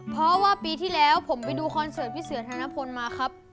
เพราะว่าปีที่แล้วผมไปดูคอนเสิร์ตพี่เสือธนพลมาครับ